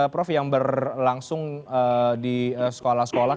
prof yang berlangsung di sekolah sekolah